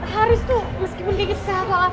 haris tuh meskipun kayak gitu sehat sehat